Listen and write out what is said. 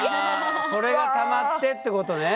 それがたまってってことね？